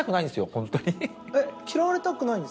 ホントに。